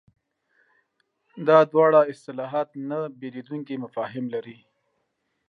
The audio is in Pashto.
دا دواړه اصطلاحات نه بېلېدونکي مفاهیم لري.